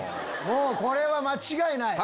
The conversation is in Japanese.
もうこれは間違いない！